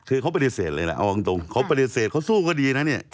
คือเขาปฏิเสธเลยล่ะเอาตรงเขาปฏิเสธเขาสู้ก็ดีนะเนี่ย